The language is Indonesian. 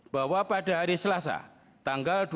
bahwa perangkat yang terdakwa di kepulauan seribu